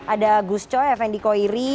ada gus coy effendi koiri